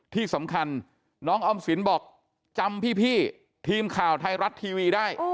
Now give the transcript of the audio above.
ที่สำคัญน้องออมสินบอกจำพี่ทีมข่าวไทยรัฐทีวีได้